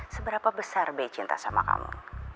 seberapa besar bei cinta sama kamu